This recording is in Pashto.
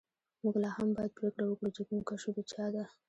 موږ لاهم باید پریکړه وکړو چې کوم کشو د چا ده